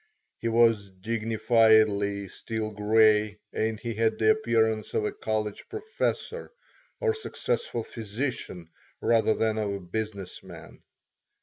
He was dignifiedly steel gray and he had the appearance of a college professor or successful physician rather than of a business man.